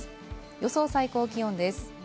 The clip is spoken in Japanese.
予想最高気温です。